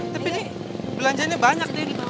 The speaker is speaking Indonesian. tapi ini belanjanya banyak din